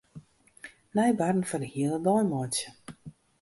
Nij barren foar de hiele dei meitsje.